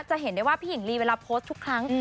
จะเห็นได้ว่าพี่หญิงลีเวลาโพสต์ทุกครั้ง